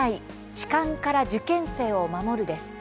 痴漢から受験生を守る」です。